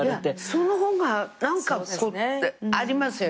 その方が何かありますよね。